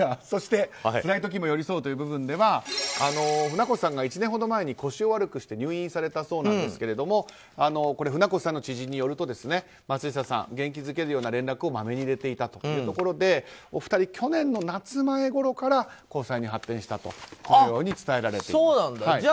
そして、つらい時も寄り添うという部分では船越さんが１年ほど前に腰を悪くして入院されたそうなんですが船越さんの知人によるとですね松下さん元気づけるような連絡をマメに入れていたということでお二人、去年の夏前ごろから交際に発展したとこのように伝えられています。